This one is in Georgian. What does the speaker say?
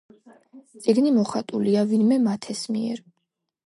წიგნი მოხატულია ვინმე მათეს მიერ.